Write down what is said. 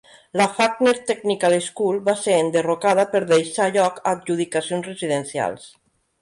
La Fawkner Technical School va ser enderrocada per deixar lloc a adjudicacions residencials.